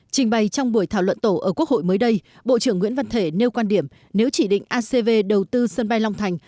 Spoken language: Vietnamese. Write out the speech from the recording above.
trình bày trong buổi thảo luận tổ ở quốc hội mới đây bộ trưởng nguyễn văn thể nêu quan điểm nếu chỉ định acv đầu tư sân bay long thành